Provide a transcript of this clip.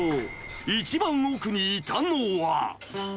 一番奥にいたのは。